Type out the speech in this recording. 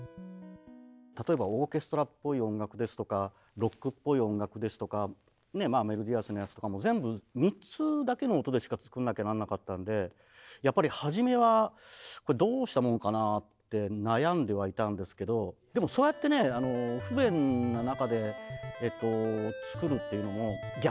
例えばオーケストラっぽい音楽ですとかロックっぽい音楽ですとかメロディアスなやつとかも全部３つだけの音でしか作んなきゃなんなかったんでやっぱり初めはこれどうしたもんかなあって悩んではいたんですけどでもそうやってね不便な中で作るっていうのもあ。